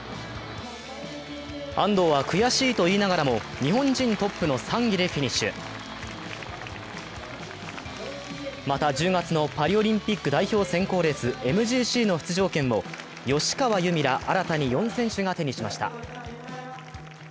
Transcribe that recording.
安藤は、悔しいと言いながらも日本人トップの３位でフィニッシュまた１０月のパリオリンピック代表選考レースＭＧＣの出場権を吉川侑美ら新たに４選手が手にしました。